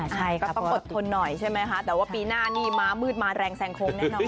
ใช่ก็ต้องอดทนหน่อยใช่ไหมคะแต่ว่าปีหน้านี่ม้ามืดมาแรงแซงโค้งแน่นอน